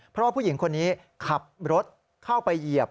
เพราะว่าผู้หญิงคนนี้ขับรถเข้าไปเหยียบ